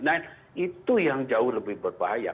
nah itu yang jauh lebih berbahaya